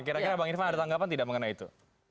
kira kira bang irfan ada tanggapan tidak mengenai itu